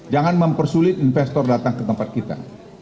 jangan mempersulit investor datang ketempat kita